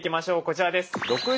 こちらです。